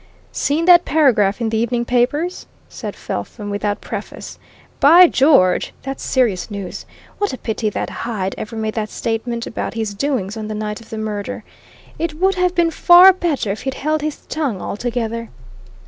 "Seen that paragraph in the evening papers?" said Felpham without preface. "By George! that's serious news! What a pity that Hyde ever made that statement about his doings on the night of the murder! It would have been far better if he'd held his tongue altogether."